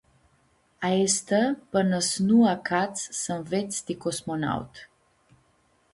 Aestã pãnã s-nu acats s-ãnvets ti cosmonaut.